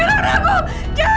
ntar tiga saat our